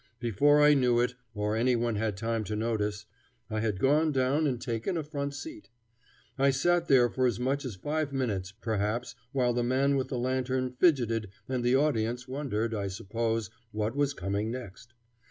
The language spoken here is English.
Before I knew it, or any one had time to notice, I had gone down and taken a front seat. I sat there for as much as five minutes perhaps, while the man with the lantern fidgeted and the audience wondered, I suppose, what was coming next.